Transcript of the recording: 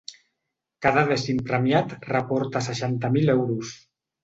Cada dècim premiat reporta seixanta mil euros.